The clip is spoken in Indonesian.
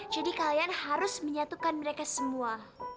jadi kalian harus menyatukan mereka semua